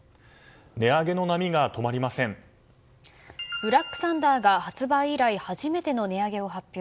ブラックサンダーが発売以来初めての値上げを発表。